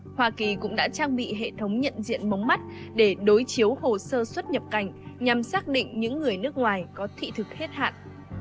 hoa kỳ cũng đã trang bị hệ thống nhận diện mống mắt để đối chiếu hồ sơ xuất nhập cảnh nhằm xác định những người nước ngoài có thị thực hết hạn